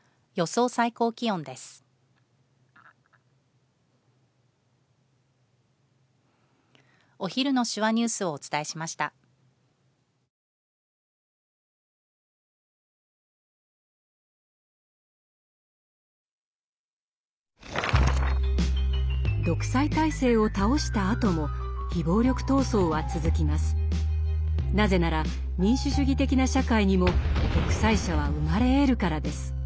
なぜなら民主主義的な社会にも独裁者は生まれえるからです。